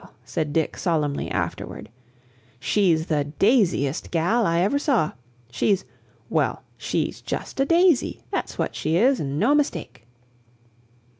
"Well," said Dick solemnly, afterward, "she's the daisiest gal I ever saw! She's well, she's just a daisy, that's what she is, 'n' no mistake!"